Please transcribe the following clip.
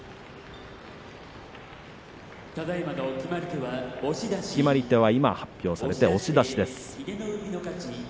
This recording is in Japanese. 決まり手は今、発表されて押し出しです。